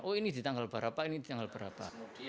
oh ini di tanggal berapa ini tanggal berapa